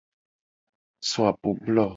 So apublo.